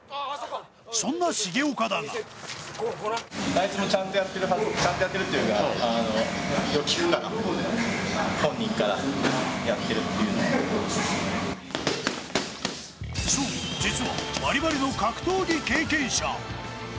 そんな重岡だがそう、実はバリバリの格闘技経験者。